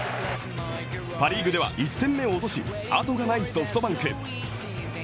パ・リーグでは１戦目を落としあとがないソフトバンク。